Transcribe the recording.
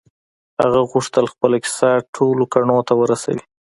هغه غوښتل خپله کيسه ټولو کڼو ته ورسوي.